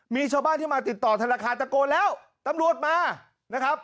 มีชาวบ้านที่มาติดต่อธนาคารตะโกนแล้วตำรวจมานะครับ